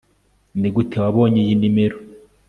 Nigute wabonye iyi nimero